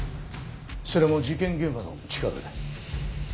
それも事件現場の近くで。